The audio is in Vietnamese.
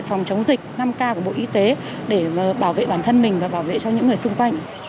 phòng chống dịch năm k của bộ y tế để bảo vệ bản thân mình và bảo vệ cho những người xung quanh